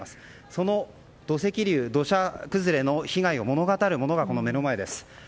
その土石流、土砂崩れの被害を物語るものがこの目の前です。